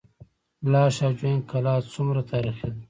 لاش او جوین کلا څومره تاریخي ده؟